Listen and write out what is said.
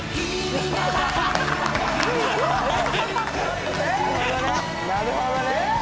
なるほどね。